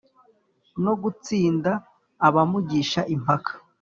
no gutsinda abamugisha impaka.